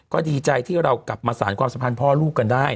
ก็ดีใจที่เรากลับมาสารความสัมพันธ์พ่อลูกกันได้